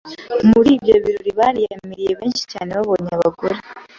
muri ibyo birori bariyamiriye bishimye cyane babonye abagore